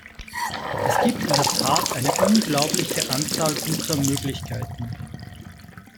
Es gibt in der Tat eine unglaubliche Anzahl guter Möglichkeiten.